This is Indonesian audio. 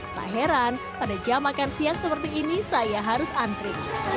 tak heran pada jam makan siang seperti ini saya harus antri